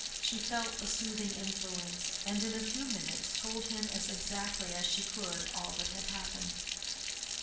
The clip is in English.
She felt the soothing influence, and in a few minutes told him as exactly as she could all that had happened.